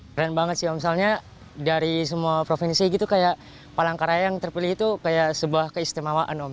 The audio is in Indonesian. keren banget sih om misalnya dari semua provinsi gitu kayak palangkaraya yang terpilih itu kayak sebuah keistimewaan om